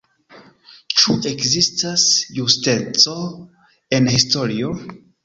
Ĉu ekzistas justeco en historio?